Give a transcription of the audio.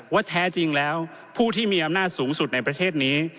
แท้จริงแล้วผู้ที่มีอำนาจสูงสุดในประเทศนี้